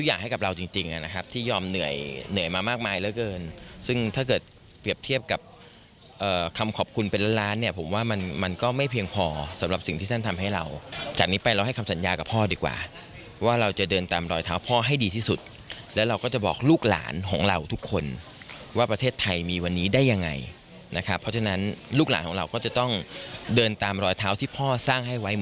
จริงนะครับที่ยอมเหนื่อยเหนื่อยมามากมายแล้วเกินซึ่งถ้าเกิดเปรียบเทียบกับคำขอบคุณเป็นล้านเนี่ยผมว่ามันมันก็ไม่เพียงพอสำหรับสิ่งที่ท่านทำให้เราจากนี้ไปเราให้คำสัญญากับพ่อดีกว่าว่าเราจะเดินตามรอยเท้าพ่อให้ดีที่สุดแล้วเราก็จะบอกลูกหลานของเราทุกคนว่าประเทศไทยมีวันนี้ได้ยังไงนะครับเพรา